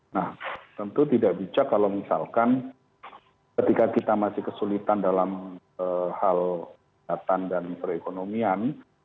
nah tentu tidak bijak kalau misalkan ketika kita masih kesulitan dalam hal kesehatan dan perekonomian